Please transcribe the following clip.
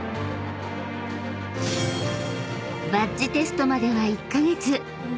［バッジテストまでは１カ月］